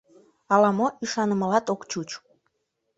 Ала-мо ӱшанымылат ок чуч...